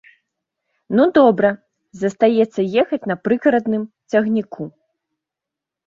Ну добра, застаецца ехаць на прыгарадным цягніку.